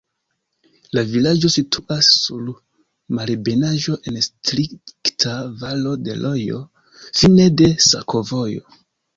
La vilaĝo situas sur malebenaĵo en strikta valo de rojo, fine de sakovojo.